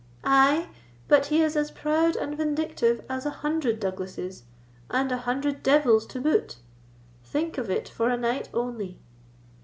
"Ay, but he is as proud and vindictive as an hundred Douglasses, and an hundred devils to boot. Think of it for a night only."